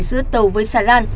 giữa tàu với xà lan